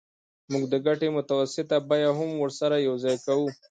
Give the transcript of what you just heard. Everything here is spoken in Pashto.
موږ د ګټې متوسطه بیه هم ورسره یوځای کوو